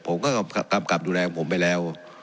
ผมก็กลับดูแลผมไปแล้ว